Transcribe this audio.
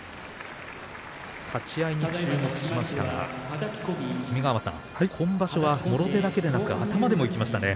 立ち合いに注目しましたが君ヶ濱さん、今場所はもろ手だけでなく頭でもいきましたね。